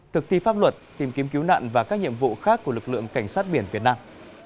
thực thi pháp luật tìm kiếm cứu nạn và các nhiệm vụ khác của lực lượng cảnh sát biển việt nam